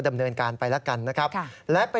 ดำเนินการไปแล้วกันนะครับ